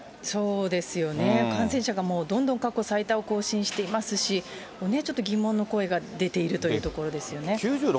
そうですよね、感染者がどんどん過去最多を更新していますし、ちょっと疑問の声が出ているというところですよね。